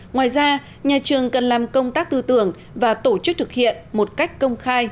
ngoài ra nhà trường cần làm công tác tư tưởng và tổ chức thực hiện một cách công khai